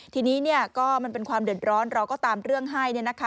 ทีนี้ก็มันเป็นความเดือดร้อนเราก็ตามเรื่องให้